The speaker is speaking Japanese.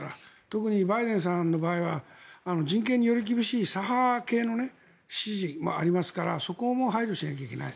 特にバイデンさんの場合は人権により厳しい左派系の支持もありますからそこも配慮しないといけない。